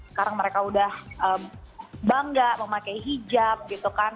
sekarang mereka udah bangga memakai hijab gitu kan